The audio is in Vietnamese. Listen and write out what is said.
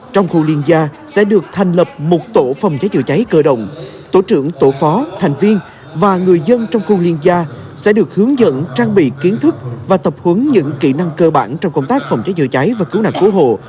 trong khu liên gia sẽ được thành lập một tổ phòng cháy chữa cháy cơ động tổ trưởng tổ phó thành viên và người dân trong khu liên gia sẽ được hướng dẫn trang bị kiến thức và tập huấn những kỹ năng cơ bản trong công tác phòng cháy chữa cháy và cứu nạn cứu hộ